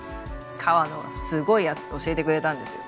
川野がすごい圧で教えてくれたんですよ。